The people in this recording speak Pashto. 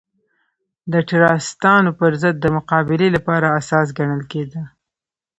د ټراستانو پر ضد د مقابلې لپاره اساس ګڼل کېده.